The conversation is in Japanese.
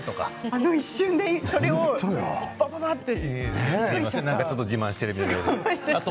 あの一瞬でそれをばばばっと？